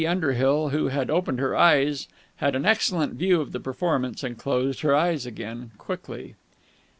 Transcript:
Lady Underhill, who had opened her eyes, had an excellent view of the performance, and closed her eyes again quickly.